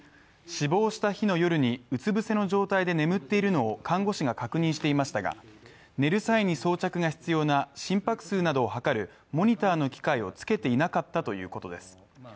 死亡した日の夜にうつ伏せの状態で眠っているのを看護師が確認していましたが寝る際に装着が必要な心拍数などをはかるモニターの機械をつけていなかったということです。